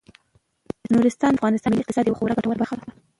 نورستان د افغانستان د ملي اقتصاد یوه خورا ګټوره برخه ده.